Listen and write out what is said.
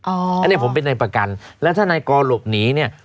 อันนี้ผมเป็นนายประกันแล้วถ้านายกรหลบหนีเนี่ย